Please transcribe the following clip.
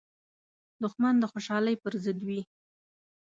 دښمن د خوشحالۍ پر ضد وي